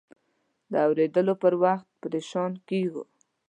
د اورېدو پر وخت پریشان کېږو.